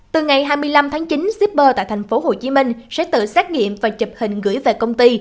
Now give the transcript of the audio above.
từ ngày hai mươi năm tháng chín shipper tại tp hcm sẽ tự xét nghiệm và chụp hình gửi về công ty